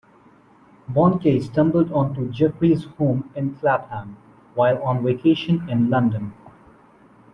Bonnke stumbled onto Jeffreys' home in Clapham while on vacation in London.